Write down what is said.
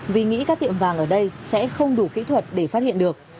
vì nghĩ các tiệm vàng ở đây sẽ không đủ kỹ thuật để phát hiện được